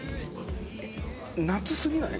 夏すぎない？